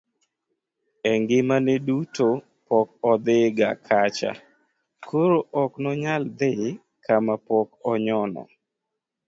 e ngimane duto pok odhi ga kacha koro ok nonyal dhi kama pok onyono